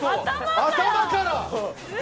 頭から。